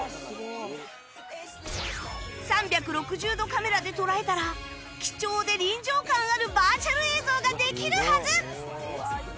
３６０度カメラで捉えたら貴重で臨場感あるバーチャル映像ができるはず！